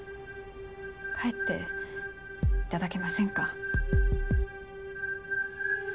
帰って頂けませんか？